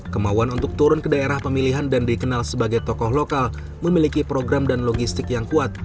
kemauan untuk turun ke daerah pemilihan dan dikenal sebagai tokoh lokal memiliki program dan logistik yang kuat